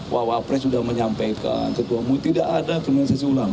wawa pres sudah menyampaikan ketua mu tidak ada kriminalisasi ulama